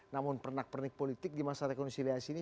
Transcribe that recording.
namun pernak pernik politik di masa rekonsiliasi ini